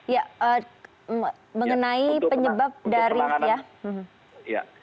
ya mengenai penyebab dari